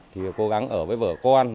thì cố gắng ở với vợ con